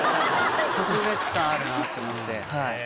特別感あるなって思って。